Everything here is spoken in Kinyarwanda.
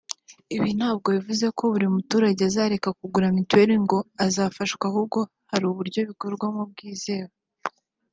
ibi ntabwo bivuga ko buri muturage azareka kugura mituweli ngo azafashwa ahubwo hari uburyo bikorwa bwizewe